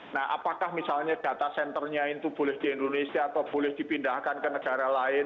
nah apakah misalnya data centernya itu boleh di indonesia atau boleh dipindahkan ke negara lain